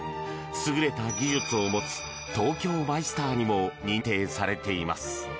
優れた技術を持つ東京マイスターにも認定されています。